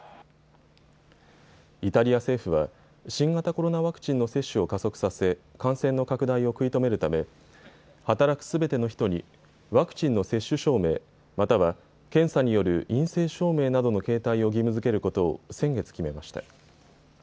イタリア政府は新型コロナワクチンの接種を加速させ感染の拡大を食い止めるため働くすべての人にワクチンの接種証明、または検査による陰性証明などの携帯を義務づけることを先月決めました。